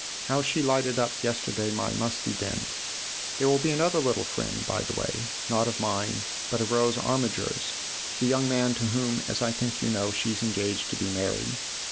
How she lighted up yesterday my musty den ! There will be another little friend, by the way not of mine, but of Rose Armiger's, the young man to whom, as I think you know, she's engaged to be married.